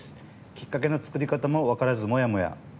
きっかけの作り方も分からずモヤモヤ。